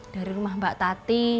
dari rumah mbak tati